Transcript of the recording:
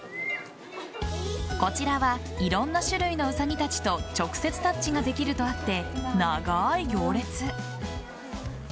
こちらはいろんな種類のウサギたちと直接タッチができるとあって長い行列。